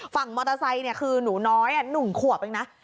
ฝั่งมอเตอร์ไซค์เนี่ยคือหนูน้อยหนุ่งขวบเองนะ